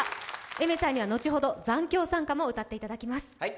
Ａｉｍｅｒさんには後ほど「残響散歌」も歌っていただきます。